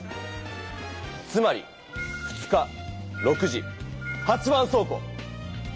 つまり２日６時８番そう庫。